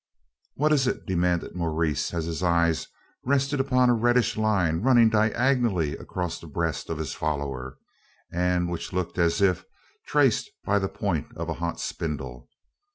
"What is it?" demanded Maurice, as his eyes rested upon a reddish line running diagonally across the breast of his follower, and which looked as if traced by the point of a hot spindle.